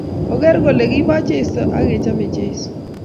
oker kole kipo cheso ak kechame cheso